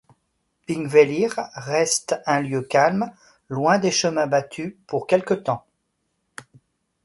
Þingvellir reste un lieu calme, loin des chemins battus pour quelque temps.